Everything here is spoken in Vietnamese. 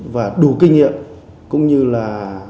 và đủ kinh nghiệm cũng như là